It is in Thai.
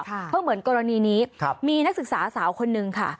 เพราะเหมือนกรณีนี้มีนักศึกษาสาวคนนึงค่ะ